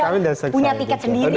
tapi pdip sudah punya tiket sendiri